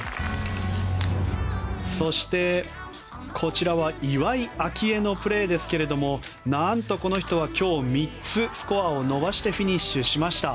そして、こちらは岩井明愛のプレーですが何と、この人は今日３つスコアを伸ばしてフィニッシュしました。